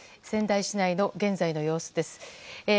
仙台市内の現在の様子です。